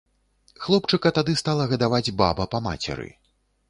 Хлопчыка тады стала гадаваць баба па мацеры.